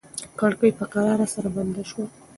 کړکۍ په کراره سره بنده شوه.